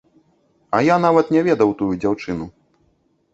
А я нават не ведаў тую дзяўчыну.